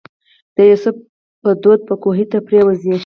د یوسف په دود به کوهي ته پرېوځي.